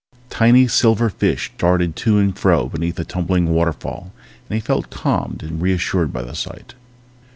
Tiny silver fish darted to and fro beneath a tumbling waterfall and he felt calmed and reassured by the sight.